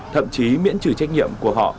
thậm chí miễn trừ trách nhiệm của họ